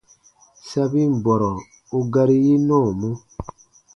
Sabin bɔrɔ u gari yi nɔɔmɔ.